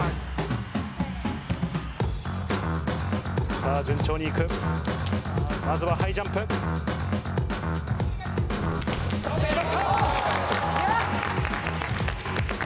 さぁ順調に行くまずはハイジャンプ。決まった！